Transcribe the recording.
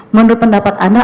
menurut pendapat anda